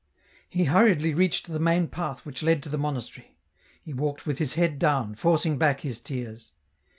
He hurriedly reached the main path which led to the monastery. He walked with his head down, forcing back his tears.